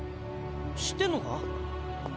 知ってんのか？